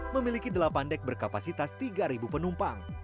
memiliki delapan deck berkapasitas tiga ribu penumpang